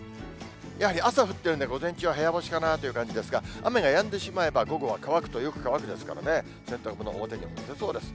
やはり朝降ってるんで、午前中は部屋干しかなという感じですが、雨がやんでしまえば午後は乾くとよく乾くですからね、洗濯物、表に干せそうです。